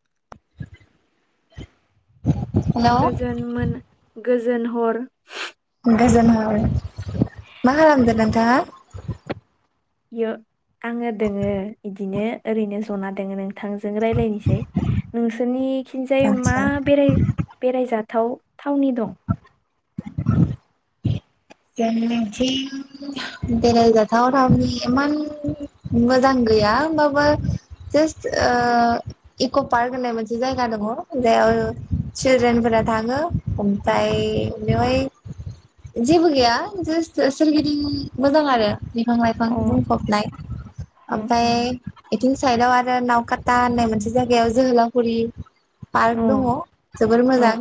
[inaudible] हेल' गोजोन मोना गोजोन हर। गोजोन हर। मा खालामदों नोंथांङा? [inaudible] यो आङो दोङो इदिनो ओरैनो जना दोङो नोंथां। जों रायलायनोसै नोंसिनिखिनजाय मा आदसा बेराय बेरायजा थाव थावनि दं। जोंनिथिं बेरायजाथाव थावनि इमान मोजां गैया होमबाबो जास्ट ओ इक' पार्क होननाय मोनसे जायगा दङ जेयाव सिलद्रेनफोरा थाङो ओमफाय बेवहाय जेबो गैया जास्ट सोरगिदिं मोजां आरो। बिफां लाइफां अ बुंफबनाय अ ओमफाय। बिथिं साइदाव आरो नावकाता होननाय मोनसे जायगायाव जोहोलावफुरि। अ पार्क दङ जोबोर अ मोजां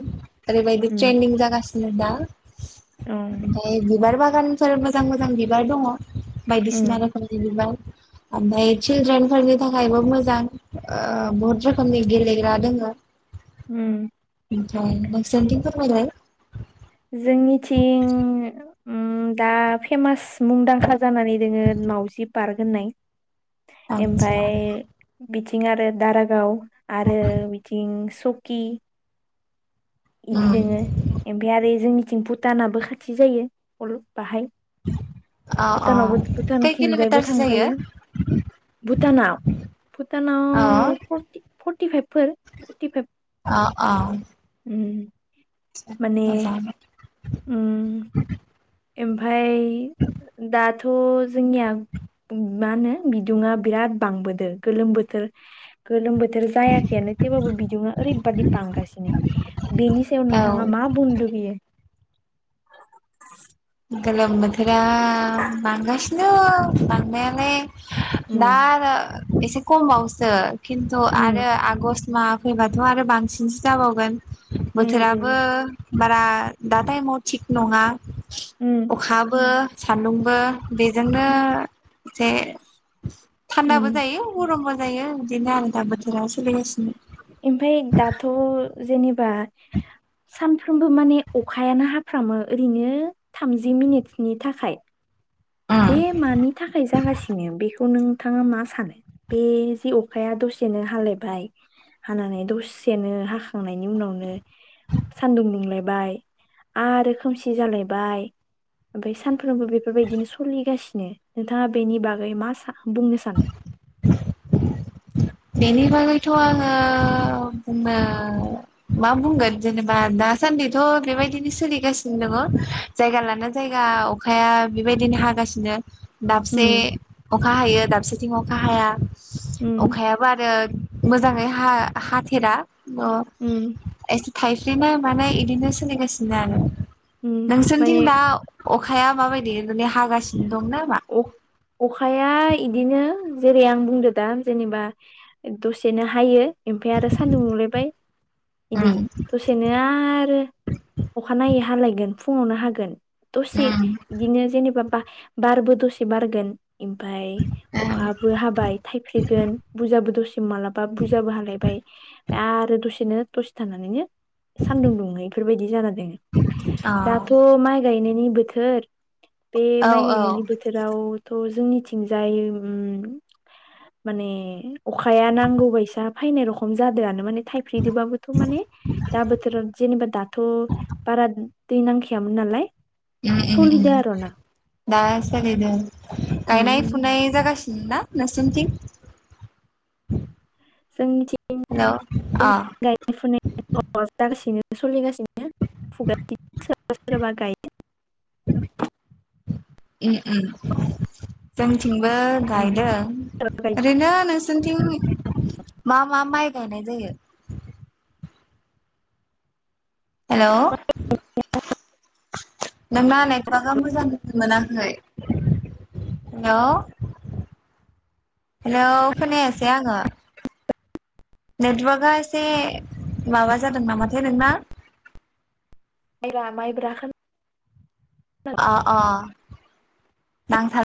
ओरैबायदि उम ट्रेन्दिं जागासि सिनोदा उम ओमफाय बि बिबार बागानफोर मोजां मोजां बिबार दङ' बायदिसिना रोखोमनि बिबार आमफाय सिलद्रेन फोरनि थाखायबो मोजां ओ बहुत रोखोमनि गेलेग्रा दङो। ओम। ओमफ्राय नोंसोरनिथिं फोरमायलाय। जोंनिथिं ओम दा फेमास मुंदांखा जानानै दोङो मावाउजि पार्क होननाय। आदसा एमफ्राय बिदि थिं आरो दारागाव। आरो बिथिं सु सुकि इदि उम दोङो इमफ्राय आरो जोंनि थिं भुटानाबो खाथि जायो [unintelligible] बाहाय अ अ भुटानावबो भुटान खै थिंजाय बो किल'मिटारसो जायो थांजायो। भुटाना अ भुटानाव फर्टि फर्टिफाइभफोर फटिफाइभ उम। सा मोजांङानो। उम। ओमफाय इ दाथ थ' जोंनिया मा होनो बिदुुङा बिराद बांबोदो गोलोम बोथोर गोलोम बोथ थोर जायाखैयानो थेवब्लााबो बिदुङा ओरैबादि बांगासिनो, बेनि सायाव औ नोंथाङा मा बुंनो लुगैयो? [inaudible] गोलोम बोथोरा बांगासिनो बांनायालाय। दा उम आरो एसे कम बावसो। खिन्थु उम आरो आगस्ट मा फैबाथ' आरो बांसिनसो जाबावगोन। उम उम बोथोराबो बारा दा टाइमाव थिग नङा। उम अखाबो सान्दुंबो बेजोंनो एसे थान्दाबो उम जायो गरमबो जायो इदिनो आरो दा बोथोराव सोलिगासिनो। ओमफ्राय दाथ' जेनेब बा सानफ्रामबो माने अखायानो हाफ्रामो ओरैनो थामजि मिनिटनि थाखाय। उम बे मानि थाखाय जागासिनो बेखौ नों थाङा मा सानो? बे जे अखाया दसेनो हालायबाय हानानै दसेनो हाखांनायनि उनावनो सानदुं दुंलायबाय आरो खोमसि जालायबाय ओमफ्राय सानफ्रोमबो बेफोरबायदिनो स सोलिगासिनो नोंथाङा बेनि बागै मा सा बुंनो सानो। बेनि बागैथ' आङो बुंनो मा बुंगोन जेनेबा दासान्दिथ' बेबायदिनो सोलिगासिनो दङ जायगा लाना जायगा अखाया बेबायदिनो हागासिनो। दाबसे उम अखा हायो दाबसेथिं अखा हाया। उम अखायाबो आरो मोजाङै हा-हाथेरा अ उम ए थाइफ्रिनाय मानाय एदिनो सोलिगासिनो आरो उम नोंसोरनिथिं माने दा अखाया माबाय देे हागासिनो दं नामा? अ अखाया अखाया बिदिनो जेरै आं बुंदो दा जेनेबा दसेनो हायो ओमफाय आरो सान्दुं दुंलायबाय बिदि उम दसेनो आरो अखानायै हालायगोन फुङावनो हागोन दसे उम बिदिनो जेनेबा बा बारबो दसे बारगोन ओमफ्राय अखाबो हाबाय थाइफ्रिगोन बुरजाबो दसे मालाबा बुरजाबो हालायबाय आरो दसेनो दसे थनानैनो सान्दुं दुंहालाय बेफोरबायदि जादों। अ [unintelligible] दाथ' माइ गायनो नि बोथोर बे औ माय औ गायनायनि नि बोथोराव थ' जोंनिथिंजाय उम माने अखाया नांगौ बायसा फैनाय रखम जादोंआनो माने थाइफ्रिदोंबाबोथ' माने दा बोथोराव जेनेबा दाथ' बारा दै नांखायामोन नालाय सलिद आरो ना दा सालिदों। उम गायनाय फुनाय जागासिनो ना नोंसिनिथिं। जोंथिं [unintelligible] सलिगासिन [unintelligible] उम उम जोंथिं बो गायदों सोरबा गाय ओरैनो नोंस सिनथिं मा मा माइ गायनाय जायो? हेलौ [unintelligible] हेलौ हेलौ खोनायासै आङो। नेटवार्कआ एसे माबा जादों नामाथाय नोंना? माइबा माइब्राखान अ अ नांथार